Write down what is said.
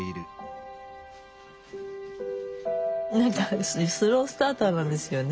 何かスロースターターなんですよね。